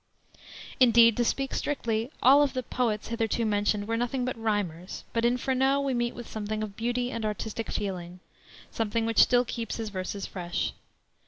Indeed, to speak strictly, all of the "poets" hitherto mentioned were nothing but rhymers but in Freneau we meet with something of beauty and artistic feeling; something which still keeps his verses fresh.